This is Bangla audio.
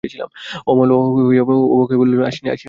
অমলা অবাক হইয়া বলিল, আসিনি, তাই কি?